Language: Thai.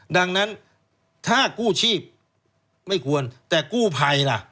ดังนั้นถ้ากู้ชีพไม่ควรแต่กู้ภัยล่ะ